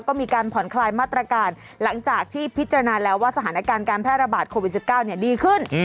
ก็มีการผ่อนคลายมาตรการหลังจากที่พิจารณาแล้วว่าสถานการณ์การแพร่ระบาดโควิด๑๙ดีขึ้น